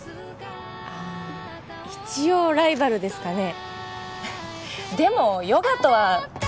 ああ一応ライバルですかね